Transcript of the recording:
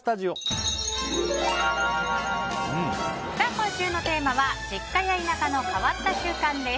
今週のテーマは実家や田舎の変わった習慣です。